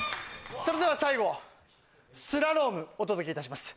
それでは最後スラロームお届けいたします３２１